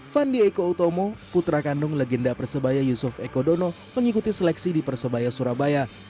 fandi eko utomo putra kandung legenda persebaya yusuf eko dono mengikuti seleksi di persebaya surabaya